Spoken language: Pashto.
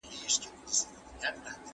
زما یادیږي د همدې اوبو پر غاړه